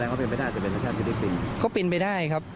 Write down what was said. เขาเป็นไปได้ครับ